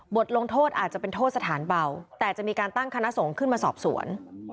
ลงโทษอาจจะเป็นโทษสถานเบาแต่จะมีการตั้งคณะสงฆ์ขึ้นมาสอบสวน